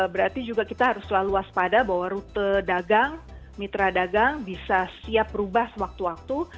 berarti juga kita harus selalu waspada bahwa rute dagang mitra dagang bisa siap berubah sewaktu waktu